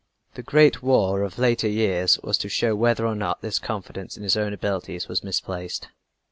The Great War of later years was to show whether or not this confidence in his own abilities was misplaced.